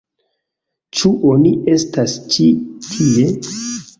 Ĉu oni estas ĉi tie?